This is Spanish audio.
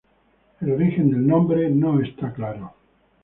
El origen del nombre no está claro.